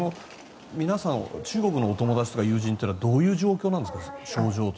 皆さん、中国のお友達とか友人ってどういう状況なんですか？